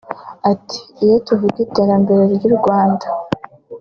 Ati ”Iyo tuvuga iterambere ry’u Rwanda